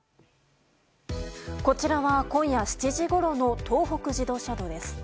こちらは今夜７時ごろの東北自動車道です。